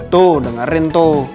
tuh dengerin tuh